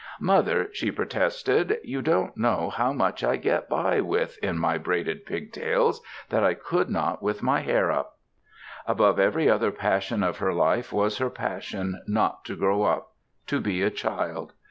"Mother," she protested, "you don't know how much I get by with, in my braided pigtails, that I could not with my hair up." Above every other passion of her life was her passion not to grow up, to be a child.